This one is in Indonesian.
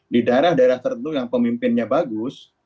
di daerah daerah tertentu yang pemimpinnya bagus